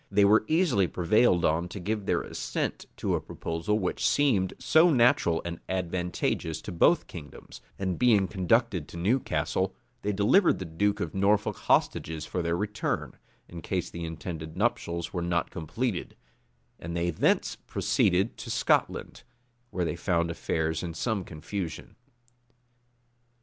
They were easily prevailed on to give their assent to a proposal which seemed so natural and so advantageous to both kingdoms; and being conducted to Newcastle, they delivered to the duke of Norfolk hostages for their return, in case the intended nuptials were not completed; and they thence proceeded to Scotland, where they found affairs in some confusion.